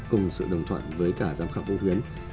cùng sự đồng thuận với cả giám khảo âu huyến